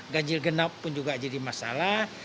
ganjil genap pun juga jadi masalah